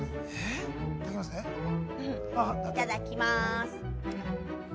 いただきます！